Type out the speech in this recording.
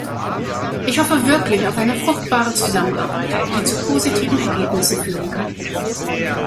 Ich hoffe wirklich auf eine fruchtbare Zusammenarbeit, die zu positiven Ergebnissen führen kann.